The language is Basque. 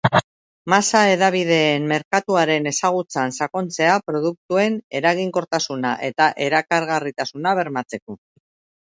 Masa-hedabideen merkatuaren ezagutzan sakontzea, produktuen eraginkortasuna eta erakargarritasuna bermatzeko.